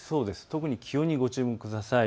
特に気温にご注目ください。